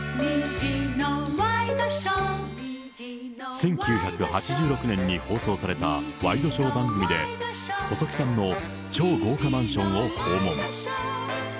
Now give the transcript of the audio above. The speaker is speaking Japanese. １９８６年に放送されたワイドショー番組で、細木さんの超豪華マンションを訪問。